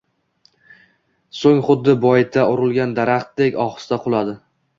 So'ng xuddi boita urilgan daraxtdek ohista quladi: